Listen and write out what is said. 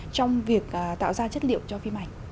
trong việc tạo ra chất liệu cho phim ảnh